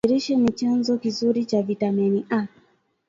Viazi lishe ni chanzo kizuri cha vitamin A